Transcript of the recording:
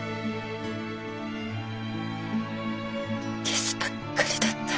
ゲスばっかりだった。